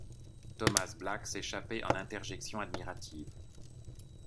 Thomas Black s’échappait en interjections admiratives.